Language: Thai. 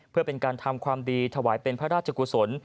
เพื่อเป็นการทำความดีถวายเป็นพระราชกุศล